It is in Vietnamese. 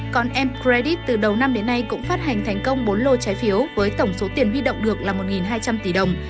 còn em credit từ đầu năm đến nay cũng phát hành thành công bốn lô trái phiếu với tổng số tiền huy động được là một hai trăm linh tỷ đồng